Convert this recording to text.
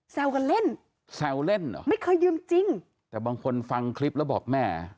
กันเล่นแซวเล่นเหรอไม่เคยยืมจริงแต่บางคนฟังคลิปแล้วบอกแม่